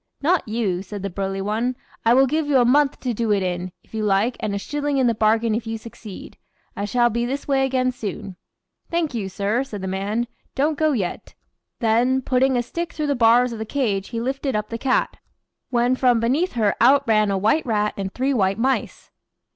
"Not you," said the burly one. "I will give you a month to do it in, if you like, and a shilling in the bargain if you succeed. I shall be this way again soon." "Thank you, sir," said the man. "Don't go yet," then, putting a stick through the bars of the cage he lifted up the cat, when from beneath her out ran a white rat and three white mice.